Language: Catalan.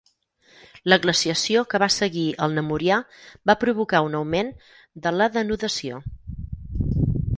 La glaciació que va seguir al namurià va provocar un augment de la denudació.